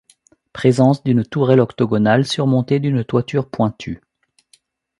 Présence d'une tourelle octogonale surmontée d'une toiture pointue.